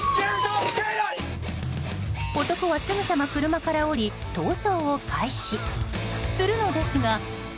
男は、すぐさま車から降り逃走を開始するのですが。